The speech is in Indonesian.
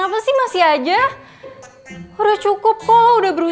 aku mimpiains sudah masro